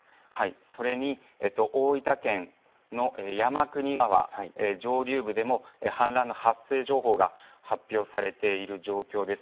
それに大分県の山国川上流部でも氾濫の発生情報が発表されている状況です。